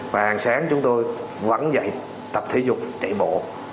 và hàng sáng chúng tôi vắng dậy tập thể dục chạy bộ